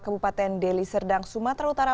kabupaten deli serdang sumatera utara